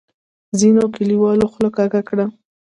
ځینو کلیوالو خوله کږه کړه.